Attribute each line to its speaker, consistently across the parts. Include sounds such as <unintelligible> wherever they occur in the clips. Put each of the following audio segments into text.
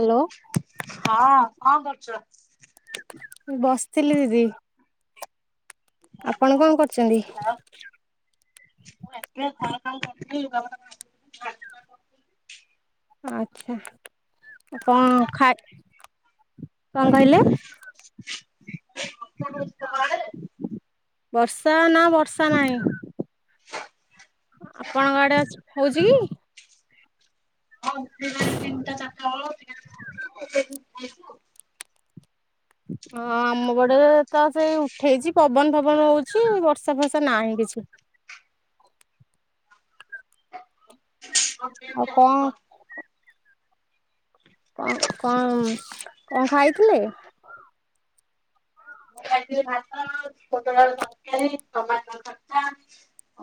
Speaker 1: Hello.
Speaker 2: ହଁ କଣ କରୁଛ।
Speaker 1: ବସିଥିଲି ଦିଦି। ଆପଣ କଣ କରୁଛନ୍ତି?
Speaker 2: ମୁଁ ଏତେ ଘର କାମ କରୁଥିଲି ଲୁଗା ପଟା <unintelligible>
Speaker 1: ଆଚ୍ଛା। କଣ ଖାଏ କଣ କହିଲେ?
Speaker 2: ମୁଁ କହିଲି ବର୍ଷା ହଉଛି ତମ ଆଡେ?
Speaker 1: ବର୍ଷା ନା ବର୍ଷା ନାହିଁ। ଆପଣଙ୍କ ଆଡେ ଅଛି ହଉଛି କି?
Speaker 2: ହଁ ଉଠିଲାଣି ତିନିଟା ଚାରି ଟା ବଳୁ ଟିକେ ଟିକେ ହଉଛି ଆଉ ଟିକେ ଟିକେ ହଉଛି ଆଉ।
Speaker 1: ହଁ ଆମ ପଡେ ତ ସେଇ ଉଠେଇଛି ପବନ ଫବନ ହଉଛି ବର୍ଷା ଫର୍ଷା ନାହିଁ କିଛି।
Speaker 2: <unintelligible>
Speaker 1: ଆଉ କଅଁ। କଅଁ କଅଁ କଅଁ ଖାଇଥିଲେ?
Speaker 2: ମୁଁ ଖାଇଥିଲି ଭାତ ପୋଟଳ ଆଳୁ ତରକାରୀ ଟମାଟ ଖଟା।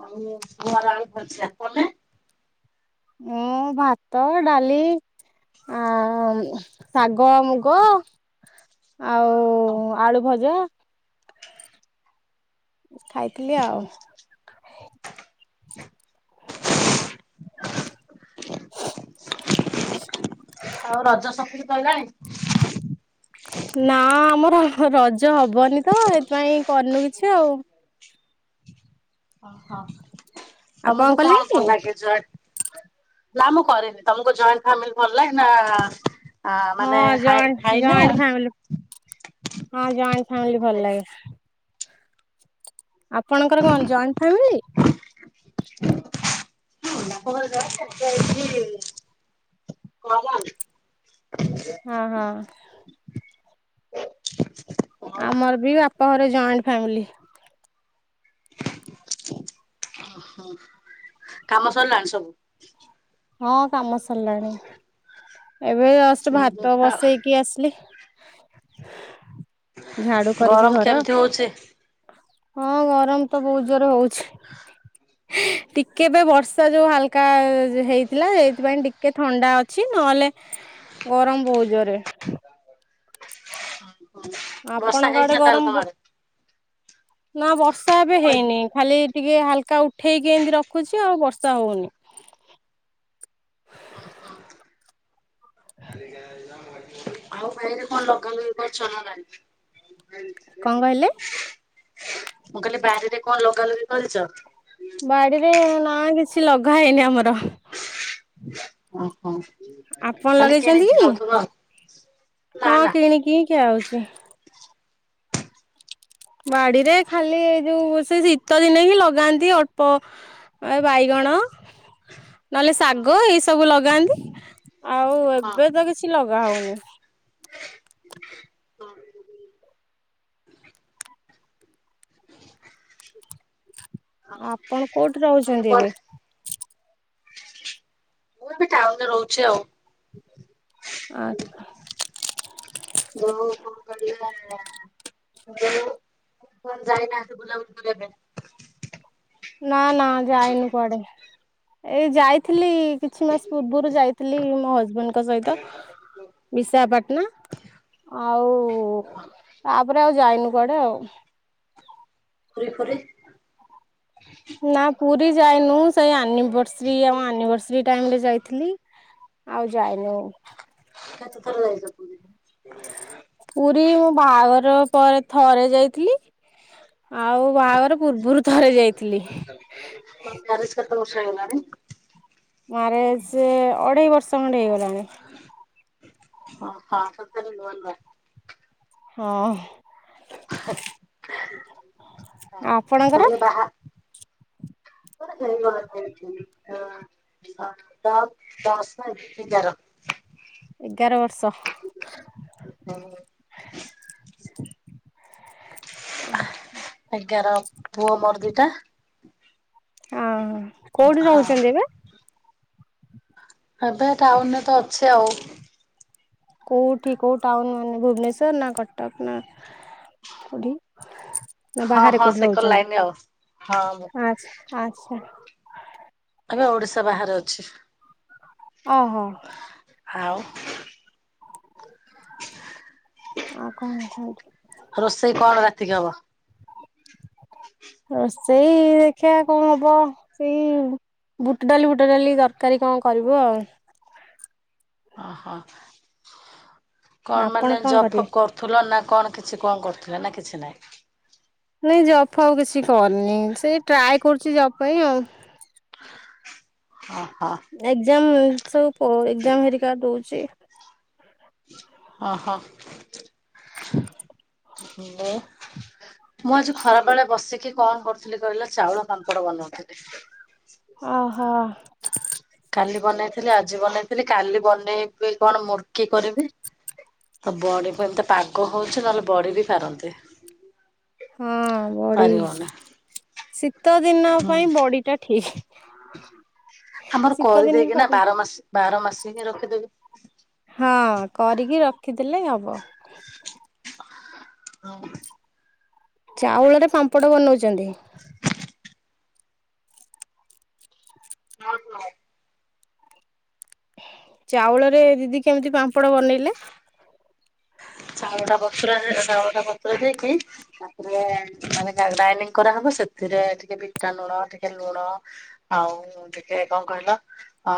Speaker 2: ଆଉ ଗୁଆଁର ଆଳୁ ଭଜା ପଲେ?
Speaker 1: ମୁଁ ଭାତ ଡାଲି। ଆ ଆ ମ ଶାଗ ମୁଗ। ଆଉ ଆଳୁ ଭଜା। ଖାଇଥିଲି ଆଉ।
Speaker 2: ଓହୋ।
Speaker 1: <inaudible>
Speaker 2: ଆଉ ରଜ ସପିଙ୍ଗ୍ ସଇଲାଣି?
Speaker 1: ନା ଆମର ରଜ ହବନି ତ ଏଥିପାଇଁ କରିନୁ କିଛି ଆଉ।
Speaker 2: ଓହୋ
Speaker 1: ଆପଣ
Speaker 2: ତମକୁ କଣ
Speaker 1: କଲେଣି?
Speaker 2: ଭଲ ଲାଗେ ଯଏ? ନା ମୁଁ କରିନି ତମକୁ ଜଏଣ୍ଟ ଫ୍ୟାମିଲି ଭଲ ଲାଗେ ନା ଆ
Speaker 1: ହଁ
Speaker 2: ମାନେ ହାଇ
Speaker 1: ଜଏଣ୍ଟ
Speaker 2: ହାଇ ନା
Speaker 1: ଜଏଣ୍ଟ ଫ୍ୟାମିଲି। ହଁ ଜଏଣ୍ଟ ଫ୍ୟାମିଲି ଭଲ ଲାଗେ। ଆପଣଙ୍କର କଣ ଜଏଣ୍ଟ ଫ୍ୟାମିଲି?
Speaker 2: <unintelligible> କ ହନି।
Speaker 1: ହଁ ହଁ।
Speaker 2: ଆଉ
Speaker 1: ଆମର ବି ବାପ ଘରେ ଜଏଣ୍ଟ ଫ୍ୟାମିଲି।
Speaker 2: ଓହୋ କାମ ସରିଲାଣି ସବୁ?
Speaker 1: ହଁ କାମ ସରିଲାଣି ଏବେ ଯଷ୍ଟ
Speaker 2: ଉଁ ହୁଁ
Speaker 1: ଭାତ ବସେଇକି ଆସିଲି। ଝାଡୁ କରିକି
Speaker 2: ଗରମ
Speaker 1: ଘର
Speaker 2: କେମିତି ହଉଛି?
Speaker 1: ହଁ ଗରମ ତ ବହୁତ ଜୋରେ ହଉଛି। ଟିକେ ବେ ବର୍ଷା ଯୋଉ ହାଲକା ଯ ହେଇ ଥିଲା ହେଇଥିପାଇଁ ଟିକେ ଥଣ୍ଡା ଅଛି ନହେଲେ ଗରମ ବହୁତ ଜୋରେ।
Speaker 2: ହଁ।
Speaker 1: ଆପଣଙ୍କ ଆଡେ ଗରମ ବୋ ନା ବର୍ଷା ଏବେ ହେଇନି। ଖାଲି ଟିକେ ହାଲକା ଉଠେଇକି ଏମିତି ରଖୁଛି ଆଉ ବର୍ଷା ହଉନି। <inaudible>
Speaker 2: ଆଉ ଭାଇରେ କଣ ଲଗାନ୍ତୁ କଣ ଚଲ ନାଣି
Speaker 1: କଣ କହିଲେ?
Speaker 2: ମୁଁ କହିଲି ବାରିରେ କଣ ଲଗା ଲଗା କରିଚ?
Speaker 1: ବାଡିରେ ନା କିଛି ଲଗା ହେଇନି ଆମର।
Speaker 2: ଓହୋ।
Speaker 1: ଆପଣ
Speaker 2: ତାହେଲେ
Speaker 1: ଲଗେଇଚନ୍ତି
Speaker 2: କିଣିକି
Speaker 1: କି?
Speaker 2: ଖାଉଥିବ ଆଉ ନା
Speaker 1: ହଁ
Speaker 2: ନା
Speaker 1: କିଣି କିିି ହିଁ ଖିଆ ହଉଚି। ବାଡିରେ ଖାଲି ଏଇ ଯୋଉ ସେ ଶି ତ ଦିନେ ହିଁ ଲଗାନ୍ତି ଅଳ୍ପ ଏ ବାଇଗଣ ନହେଲେ ଶାଗ ଏଇ ସବୁ ଲଗାନ୍ତି ଆଉ
Speaker 2: ହଁ
Speaker 1: ଏବେ ତ କିଛି ଲଗା ହଉନି। ଆପଣ କୋଉଠି ରହୁଛନ୍ତି ଏବେ?
Speaker 2: <inaudible> ମୁଁ ବି ଟାଉନରେ ରହୁଚି ଆଉ।
Speaker 1: ଆଚଛା।
Speaker 2: ବଉ କଣ କରିବ ଅ ବଉ କଣ ଯାଇନାକି ବୁଲାବୁଲ କରିବା ପାଇଁ?
Speaker 1: ନା ନା ଯାଇନୁ କୁଆଡ଼େ। ଏଇ ଯାଇ ଥିଲି କିଛି ମାସ ପୂର୍ବରୁ ଯାଇଥିଲି ମୋ ହଜବେଣ୍ଡଙ୍କ ସହିତ। ବିଶାଖପାଟନା ଆଉ ତାପରେ ଆଉ ଯାଇନୁ। କୁଆଡେ ଆଉ।
Speaker 2: ପୁରୀ ଫୁୁରି
Speaker 1: ନା ପୁରୀ ଯାଇନୁ ସେଇ ଆନିଭର୍ସରୀ ଆଉ ଆନିଭର୍ସରୀ ଟାଇମ ରେ ଯାଇଥିଲି। ଆଉ ଯାଇନୁ।
Speaker 2: ତଥରେ ଯାଇଚ ପୁରୀ?
Speaker 1: ପୁରୀ ମଁ ବାହାଘର ପରେ ଥରେ ଯାଇଥିଲି। ଆଉ ବାହାଘର ପୂର୍ବରୁ ଥରେ ଯାଇଥିଲି।
Speaker 2: କଣ ପରିଷ୍କାର <inaudible>
Speaker 1: ମ୍ୟାରେଜ ସେ ଅଢ଼େଇ ବର୍ଷ ଖଣ୍ଡେ ହେଇଗଲାଣି।
Speaker 2: ଓ ହଁ ସତରେ ନୂଆ ନୂଆ।
Speaker 1: ହଁ।
Speaker 2: ହଁ
Speaker 1: ଆଉ ଆପଣଙ୍କର?
Speaker 2: <inaudible> ହଁ ଦର ଦ ଦଶ ଏଗାର।
Speaker 1: ଏଗାର ବର୍ଷ।
Speaker 2: ହୁଁ। ଆଜ୍ଞାର ପୁଅ ମୋର ଦିଟା।
Speaker 1: ଓହୋ କୋଉଠି
Speaker 2: ହଁ।
Speaker 1: ରହୁଚନ୍ତି ଏବେ।
Speaker 2: ଏବେ ଟାଉନ ରେ ତ ଅଛି ଆଉ।
Speaker 1: କୋଉଠି କୋଉ ଟାଉନ ଉଁ ଭୁବନେଶ୍ଵର ନା କଟକ ନା କଉଠି? ନା
Speaker 2: ହଁ
Speaker 1: ବାହାରେ
Speaker 2: ହଁ
Speaker 1: କୋଉଠି
Speaker 2: ସେକର
Speaker 1: ରହୁଚନ୍ତି
Speaker 2: ଲାଇନ ଆଉ। ହଁ ମୁଁ
Speaker 1: ଆଛା ଆଚଛା।
Speaker 2: ଆମେ ଓଡିଶା ବାହାରେ ଅଛି।
Speaker 1: ଓହୋ।
Speaker 2: ଆଉ? ହ
Speaker 1: ଆଉ କଣ କୁହନ୍ତୁ।
Speaker 2: ରୋଷେଇ କଣ ରାତିକି ହବ?
Speaker 1: ରୋଷେଇ ଦେଖିବା କଣ ହବ। ସେଇ ବୁଟ ଡାଲି ବୁଟ ଡାଲି ତରକାରୀ କଣ କରିବୁ ଆଉ?
Speaker 2: ଓହୋ କଣ
Speaker 1: ଆପଣ
Speaker 2: ମାନେ ଜ
Speaker 1: କରିବେ
Speaker 2: <unintelligible> ତୁଲ ନା କଣ କିଛି କଣ କରୁଥିଲେ ନା କିଛି ନାହିଁ?
Speaker 1: ନାଇଁ ଜବ୍ ଫବ୍ କିଛି କରିନି, ସେଇ ଟ୍ରାଏ କରୁଛି ଜବ୍ ପାଇଁ ଆଉ।
Speaker 2: ଓହୋ।
Speaker 1: ଏକ୍ଜାମ ସବୁ ପ ଏକ୍ଜାମ୍ ହେରିକା ଦଉଚି।
Speaker 2: ଓହୋ ହାଲୋ। ମୁଁ ଆଜି ଖରାବେଳେ ବସିକି କଣ କରୁଥିଲି କହିଲ ଚାଉଳ ପାମ୍ପଡ ବନଉଥିଲି।
Speaker 1: ଓହୋ।
Speaker 2: କାଲି ବନେଇଥିଲି ଆଜି ବନେଇଥିଲି କାଲି ବନେଇବି କଣ ମୂର୍କି କରିବି। ତ ବଡ଼ି କୁ ଏମିତି ପାଗ ହଉଚି ନହେଲେ ବଢି ବି ପାରନ୍ତି।
Speaker 1: ହଁ ବଡି
Speaker 2: ପାରିବନି।
Speaker 1: ଶୀତ ଦିନ
Speaker 2: ହୁଁ
Speaker 1: ପାଇଁ ବଡି ଟା ଠିକ୍।
Speaker 2: ଆମର କରିଦେଇକି ନା
Speaker 1: ପାରନ୍ତି
Speaker 2: ବାର ମାସ ବାର ମାସ ହିଁ ରଖିଦଉ।
Speaker 1: ହଁ କରିକି ରଖିଦେଲେ ହବ। ଚାଉଳରେ ପାମ୍ପଡ଼ ବନଉଚନ୍ତି?
Speaker 2: ହଁ ହଁ।
Speaker 1: ଚାଉଳରେ ଦିଦି କେମିତି ପାମ୍ପଡ ବନେଇଲେ?
Speaker 2: ଚାଉଳଟା ବତୁରା ହେଲେ ଚାଉଳଟା ବତୁରେଇ ଦେଇକି ତାପରେ ମାନେ ଗ୍ରାଇଣ୍ଡିଙ୍ଗ କରାହବ ସେଥିରେ ଟିକେ ବିଟ ଲୁଣ ଟିକେ ଲୁଣ ଆଉ ଟିକେ କଣ କହିଲ ଅ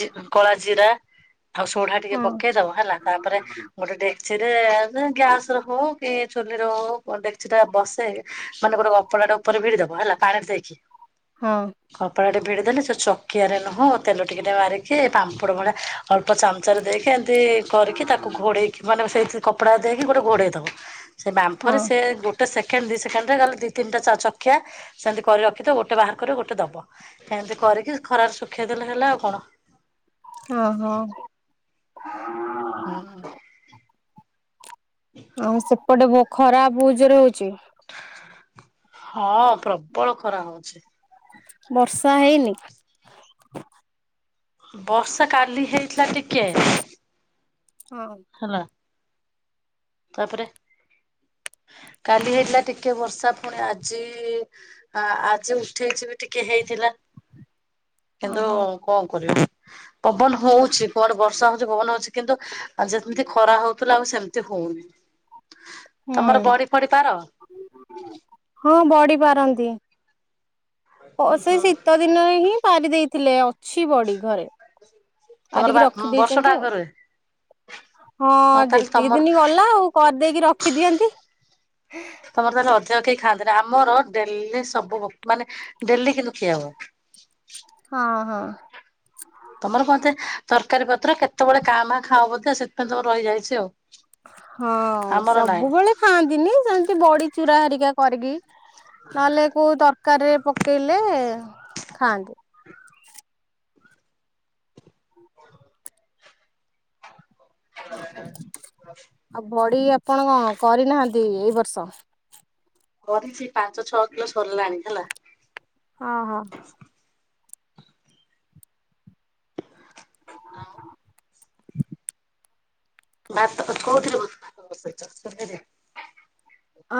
Speaker 2: ଜି କଳାଜିରା ଆଉ ସୋଢା ଟିକେ
Speaker 1: ହଁ
Speaker 2: ପକେଇଦବ ହେଲା ତାପରେ ଗୋଟେ ଡେକ୍ଚିରେ ଗ୍ୟାସରେ ହଉ କି ଚୁଲିରେ ହଉ ଡେକ୍ଚିଟା ବସେଇ ମାନେ ଗୋଟେ କପଡ଼ାଟା ଉପରେ ଭିଡିଦବ ହେଲା ପାଣିରେ ଥୋଇକି।
Speaker 1: ହଁ।
Speaker 2: କପଡ଼ାଟେ ଭିଡିଦେଲେ ସେ ଚକିଆରେ ନୁହଁ ତେଲ ଟିକେ ଟିକେ ମାରିକି ପାମ୍ପଡ ଭଳିଆ ଅଳ୍ପ ଚାମଚାରେ ଦେଇକି ଏମିତି କରିକି ତାକୁ ଘୋଡ଼େଇକି ମାନେ ସେଇଥିରେ କପଡ଼ା ଦେଇକି ଗୋଟେ ଘୋଡ଼େଇ ଦେବ, ସେ ବାମ୍ଫରେ
Speaker 1: ହଁ
Speaker 2: ସେ ଗୋ ଗୋଟେ ସେକେଣ୍ଡ ଦି ସେକେଣ୍ଡରେ ଖାଲି ଦିଇ ତିନଟା ଚକିଆ ସେମିତି କରି ରଖିଥିବ, ଗୋଟେ ବାହାର କରିବ ଗୋଟେ ଦବ। ଏମିତି କରିକି ଖରାରେ ଶୁଖେଇ ଦେଲେ ହେଲା ଆଉ କଣ?
Speaker 1: ଓହୋ।
Speaker 2: ହଁ।
Speaker 1: ଆଉ ସେପଟେ ଖରା ବହୁତ୍ ଜୋରେ ହଉଚି?
Speaker 2: ହଁ ପ୍ରବଳ ଖରା ହଉଚି।
Speaker 1: ବର୍ଷା ହେଇନି?
Speaker 2: ବର୍ଷା କାଲି ହେଇଥିଲା ଟିକେ।
Speaker 1: ହଁ।
Speaker 2: ହେଲା ତାପରେ କାଲି ହେଇଥିଲା ଟିକେ ବର୍ଷା ଫୁଣି ଆଜି ଆ ଆଜି ଉଠେଇଛି ବି ଟିକେ ହେଇଥିଲା। କିନ୍ତୁ
Speaker 1: ଓହୋ।
Speaker 2: କଣ କରିବା, ପବନ ହଉଛି କୁଆଡେ ବର୍ଷା ହଉଛି ପବନ ହଉଛି କିନ୍ତୁ ଆଉ ଯେମିତି ଖରା ହଉଥିଲା ଆଉ ସେମିତି ହଉନି,
Speaker 1: ହୁଁ
Speaker 2: ତମର ବଡି ଫଡି ପାର?
Speaker 1: ହଁ ବଡି ପାରନ୍ତି। ସେ ଶୀତ ଦିନ ହିଁ ପାରି ଦେଇଥିଲେ ଅଛି ବଡି ଘରେ।
Speaker 2: ତମର ବା
Speaker 1: ପାରିକି
Speaker 2: ବର୍ଷଟା
Speaker 1: ରଖିଦେଇେଚନ୍ତି
Speaker 2: ଆଗ
Speaker 1: ଆଉ।
Speaker 2: ରୁହେ।
Speaker 1: ହଁ
Speaker 2: ଆଉ ତାହେଲେ
Speaker 1: ଯେତିକି
Speaker 2: ତମର
Speaker 1: ଦିନ ଗଲା ଆଉ କରିଦେଇକି ରଖିଦିଅନ୍ତି।
Speaker 2: ତମର ତାହେଲେ ଅଧିକ କେହି ଖାଆନ୍ତିନି, ଆମର ଡେଲି ସବୁ ବ ମାନେ ଡେଲି କିନ୍ତୁ ଖିଆହବ।
Speaker 1: ହଁ-ହଁ।
Speaker 2: ତମର କଣ ଏତେ ତରକାରୀ ପତ୍ର କେତେବେଳେ କାଁ ଭାଁ ଖାଅ ବୋଧେ ସେଥିପାଇଁ ତମର ରହିଯାଇଚି ଆଉ।
Speaker 1: ହଁ
Speaker 2: ଆମର ନାଇଁ
Speaker 1: ସବୁବେଳେ ଖାଆନ୍ତିନି ସେମତି ବଡ଼ି ଚୁରା ହରିକା କରିକି ନହେଲେ କୋଉ ତରକାରୀରେ ପକେଇଲେ ଖାଆନ୍ତି। ଆଉ ବଡ଼ି ଆପଣ କଣ କରିନାହାନ୍ତି ଏଇ ବର୍ଷ?
Speaker 2: କରିଚି ପାଞ୍ଚ ଛଅ କିଲୋ ସରିଲାଣି ହେଲା।
Speaker 1: ଅଁ ହଁ।
Speaker 2: ହଁ। ବା କୋଉଥୁଲୁ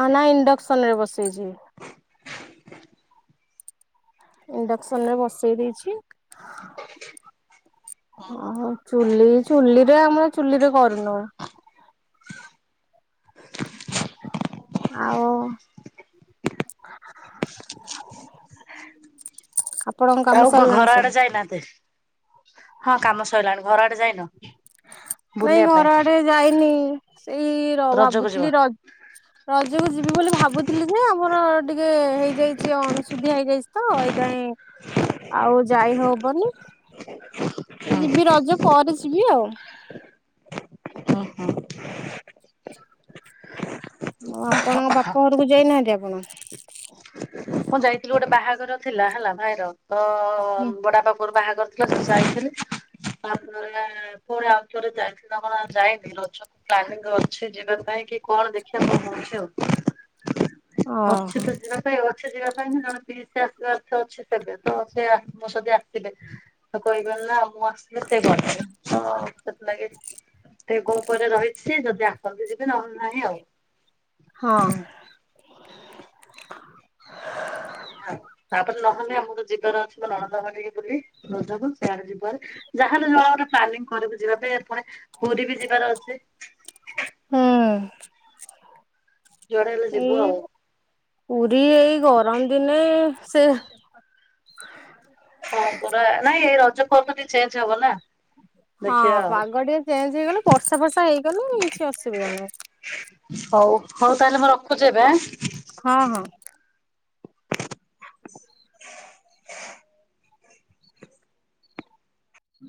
Speaker 1: ଆ ନାଇଁ ଇଣ୍ଡକ୍ସନରେ ବସେଇଚି।
Speaker 2: <inaudible>
Speaker 1: ଇଣ୍ଡକ୍ସନରେ ବସେଇ ଦେଇଚି। ଓହୋ ଚୁଲି ଚୁଲିରେ ଆମର ଚୁଲିରେ କରୁନୁ। ଆଉ ଆପଣଙ୍କ କାମ
Speaker 2: ଆଉ କଣ
Speaker 1: ସରିଲାଣି
Speaker 2: ଘର ଆଡ଼େ
Speaker 1: ସବୁ?
Speaker 2: ଯାଇନାହାତି ହଁ କାମ ସରିଲାଣି ଘର ଆଡ଼େ ଯାଇନ?
Speaker 1: ନାଇଁ
Speaker 2: ବୁଲିବା ପାଇଁ
Speaker 1: ଘର ଆଡ଼େ ଯାଇନି ସେଇ ର
Speaker 2: ରଜକୁ ଯିବ?
Speaker 1: ଭାବୁଥିଲି ର ରଜକୁ ଯିବି ବୋଲି ଭାବୁଥିଲିଯେ ଆମର ଟିକେ ହେଇଯାଇଚି ଅଣସୁ ସୁଧିଆ ହେଇଯାଇଚିତ ଏଇଥାଇଁ ଆଉ ଯାଇ ହବନି ଯିବି ରଜ ପରେ ଯିବି ଆଉ।
Speaker 2: ଅଁହଁ।
Speaker 1: ଆଁ ଆପଣଙ୍କ ବାପ ଘରକୁ ଯାଇନାହାନ୍ତି ଆପଣ?
Speaker 2: ହଁ ଯାଇଥିଲି ଗୋଟେ ବାହାଘର ଥିଲା ହେଲା ଭାଇର ତ
Speaker 1: ହୁଁ
Speaker 2: ବାଡ଼ାପା ପୁଅର ବାହାଘର ଯାଇଥିଲି ତାପରେ ପୁଣି ଆଉ ଥରେ ଯାଇଥିଲ କଣ ଯାଇନି ରଜ ପ୍ଲାନିଂ ଅଛି ଯିବା ପାଇଁ କି କଣ ଦେଖିଆ କଣ କଉଛି ଆଉ।
Speaker 1: ଓହୋ
Speaker 2: ଅଛିତ ଯିବା ପାଇଁ ଅଛି ଯିବା ପାଇଁ ଜଣେ ପିସା ନାଥ ଅଛି ସେବେତ ଅଛି ଆତ୍ମସଦି ଆସିବେ ତ କହିକି ନାନା ମୁଁ ଆସିଲେ ସିଏ କରିଦେବେ ହଁ ସେଥିଲାଗି ସେ ଗୋଉପରେ ରହିଚି ଯଦି ଆସନ୍ତି ଯିବି ନହେନେ ନାଇଁ ଆଉ।
Speaker 1: ହଁ।
Speaker 2: ହଁ ତାପରେ ନହେଲେ ଆମର ଯିବାର ଅଛି ନଣନ୍ଦ ଘଟିକି ବୁଲି ରଜକୁ ସେଆଡ଼େ ଯିବରେ ଯାହାହେନେ ଜଣଙ୍କର ପ୍ଲାନିଂ କରିବୁ ଯିବା ପାଇଁ ପୁଣି ପୁରୀବି ଯିବାର ଅଛି।
Speaker 1: ହୁଁ
Speaker 2: ଯୁଆଡେ ହେଲେ ଯିବୁ
Speaker 1: ଏଇ
Speaker 2: ଆଉ।
Speaker 1: ପୁରୀ ଏଇ ଗରମ ଦିନେ ସେ
Speaker 2: ହଁ ପୁରା ନାଇଁ ଏଇ ରଜ ପର୍ବଟି ଚେଞ୍ଜ ହବନା।
Speaker 1: ହଁ ପାଗ ଟିକେ ଚେଞ୍ଜ ହେଇଗଲେ ବର୍ଷା ଫର୍ଷା ହେଇଗଲେ କିଛି ଅସୁବିଧା ନାହିଁ।
Speaker 2: ହଉ ହଉ ତାହେଲେ ମୁଁ ରଖୁଚି ଏବେ?
Speaker 1: ହଁ ହଁ।